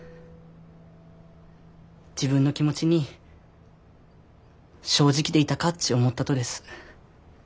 自分の気持ちに正直でいたかっち思ったとです。